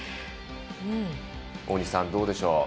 大西さん、どうでしょう。